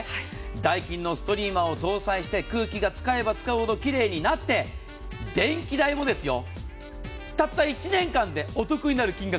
ダイキンのストリーマーを搭載して空気が使えば使うほど奇麗になって電気代もたった１年間でお得になる金額